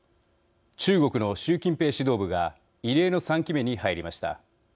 中国の習近平指導部が異例の３期目に入りました。